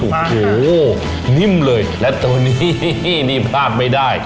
โอ้โหนิ่มเลยและตัวนี้นี่พลาดไม่ได้